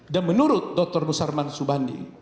dan menurut dr musarman subandi